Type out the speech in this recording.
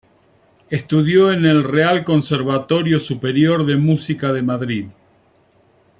Estudió en el Real Conservatorio Superior de Música de Madrid.